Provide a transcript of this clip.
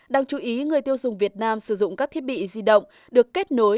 đang chú ý người tiêu dùng việt nam sử dụng các thiết bị di động được kết nối